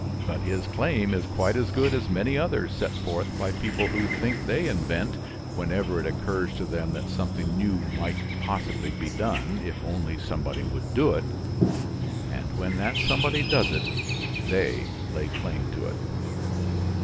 But his claim is quite as good as many others set forth by people who think they invent, whenever it occurs to them that something new might possibly be done, if only somebody would do it. And when that somebody does do it they lay claim to it.